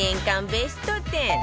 ベスト１０